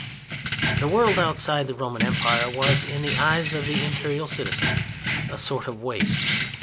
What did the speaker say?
The world outside the Roman Empire was, in the eyes of the Imperial citizen, a sort of waste.